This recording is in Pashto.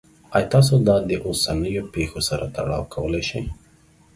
ایا تاسو دا د اوسنیو پیښو سره تړاو کولی شئ؟